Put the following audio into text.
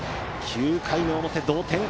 ９回の表、同点。